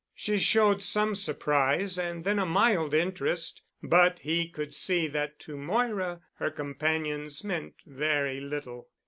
She showed some surprise and then a mild interest, but he could see that to Moira her companions meant very little.